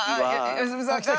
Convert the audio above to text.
良純さんきた。